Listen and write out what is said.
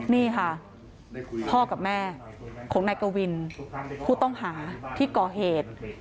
นี่ค่ะพ่อกับแม่ของนายกวินผู้ต้องหาที่ก่อเหตุ